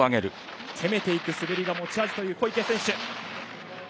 攻めていく滑りが持ち味という小池選手。